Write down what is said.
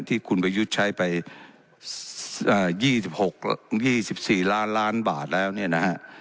ที่คุณประยุทธ์ใช้ไป๒๖๒๔ล้านล้านบาทแล้วเนี่ยนะฮะ